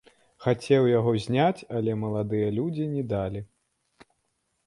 Хацеў яго зняць, але маладыя людзі не далі.